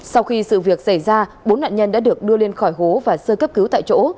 sau khi sự việc xảy ra bốn nạn nhân đã được đưa lên khỏi hố và sơ cấp cứu tại chỗ